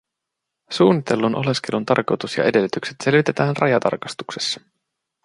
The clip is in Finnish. Suunnitellun oleskelun tarkoitus ja edellytykset selvitetään rajatarkastuksessa.